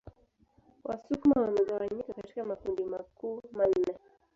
Wasukuma wamegawanyika katika makundi makuu manne